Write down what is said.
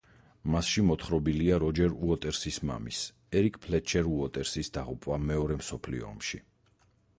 მასში მოთხრობილია როჯერ უოტერსის მამის, ერიკ ფლეტჩერ უოტერსის დაღუპვა მეორე მსოფლიო ომში.